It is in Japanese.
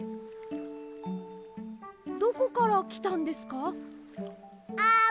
どこからきたんですか？